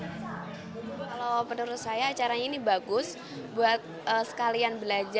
mereka berharap acara seperti ini bisa terus dilakukan di masa depan untuk lebih memberi bekal saat mereka terjun ke dunia kerja